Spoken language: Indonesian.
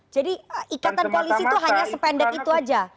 jadi ikatan koalisi itu hanya sependek itu aja